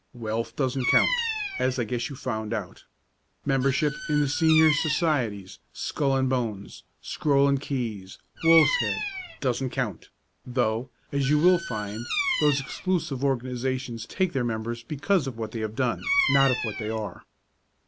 Wealth doesn't count, as I guess you've found out. Membership in the Senior Societies Skull and Bones, Scroll and Keys Wolf's Head doesn't count though, as you will find, those exclusive organizations take their members because of what they have done not of what they are.